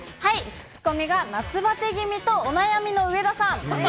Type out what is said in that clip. ツッコミが夏バテ気味とお悩みの上田さん。